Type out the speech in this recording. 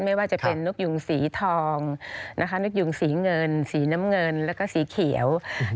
ไม่ว่าจะเป็นนกยุงสีทองนะคะนกยุงสีเงินสีน้ำเงินแล้วก็สีเขียว